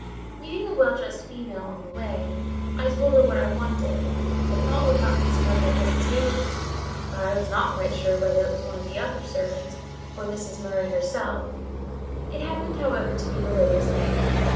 Meeting a well dressed female on the way, I told her what I wanted; but not without considerable hesitation, as I was not quite sure whether it was one of the upper servants, or Mrs. Murray herself: it happened, however, to be the lady's maid.